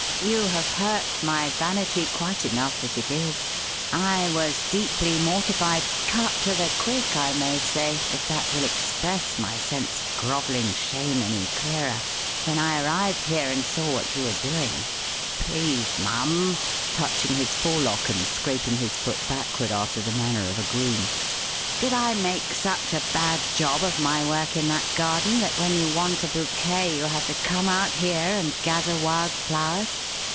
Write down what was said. You have hurt my vanity quite enough as it is. I was deeply mortified cut to the quick, I may say, if that will express my sense of grovelling shame any clearer when I arrived here and saw what you were doing. Please, mum" touching his forelock and scraping his foot backward after the manner of a groom "did I make such a bad job of my work in that garden that when you want a bouquet you have to come out here and gather wild flowers?